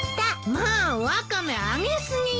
まあワカメあげすぎよ。